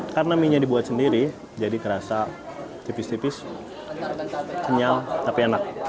karena mienya dibuat sendiri jadi ngerasa tipis tipis kenyal tapi enak